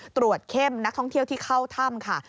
เข้มนักท่องเที่ยวที่เข้าถ้ำค่ะ